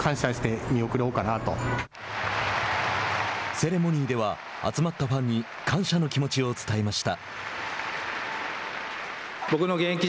セレモニーでは集まったファンに感謝の気持ちを伝えました。